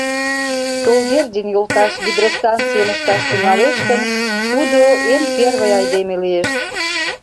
Толгердин йолташ гидростанцийым ышташ тӱҥалеш гын, тудо эн первый айдеме лиеш.